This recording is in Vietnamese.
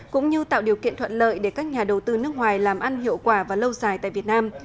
cũng như tạo điều kiện thuận lợi để các nhà đầu tư nước ngoài làm ăn hiệu quả và lâu dài tại việt nam